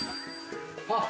あっ